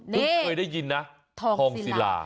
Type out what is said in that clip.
เพิ่งเคยได้ยินนะทองซีลา